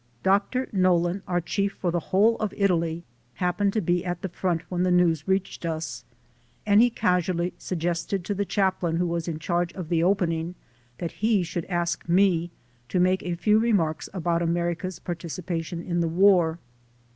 Doctor Nollen, our chief for the whole of Italy, happened to be at the front when the news reached us, and he casually suggested to the chap lain who was in charge of the opening, that he should ask me to make a few remarks about America's participation in the war.